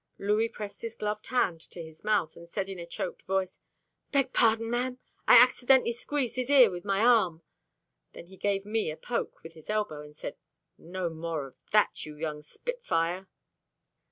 Louis pressed his gloved hand to his mouth and said in a choked voice, "Beg pardon, ma'am. I accidentally squeezed his ear with my arm." Then he gave me a poke with his elbow and said, "No more of that, you young Spitfire."